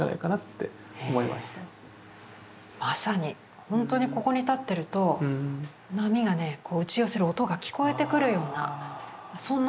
まさに本当にここに立ってると波がね打ち寄せる音が聞こえてくるようなそんな空間でした。